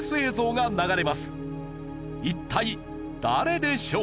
一体誰でしょう？